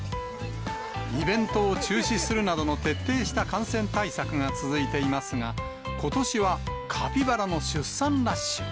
イベントを中止するなどの徹底した感染対策が続いていますが、ことしはカピバラの出産ラッシュ。